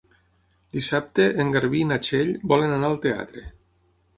Dissabte en Garbí i na Txell volen anar al teatre.